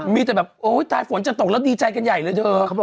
มีแต่แบบโอ้ยตายฝนจะตกแล้วดีใจกันใหญ่เลยเธอ